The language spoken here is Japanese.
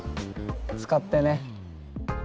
使ってね。